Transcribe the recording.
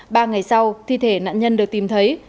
ba ngày sau thi thể nạn nhân được tìm thấy